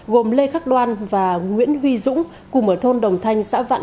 gồm lê khắc đoan và nguyễn huy dũng cùng ở thôn đồng thanh xã vạn